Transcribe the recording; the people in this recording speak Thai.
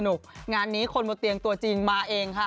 งานนี้คนบนเตียงตัวจริงมาเองค่ะ